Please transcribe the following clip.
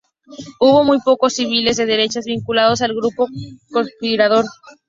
Hubo muy pocos civiles de derechas vinculados al grupo conspirador.